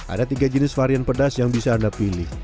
ada tiga jenis varian pedas yang bisa anda pilih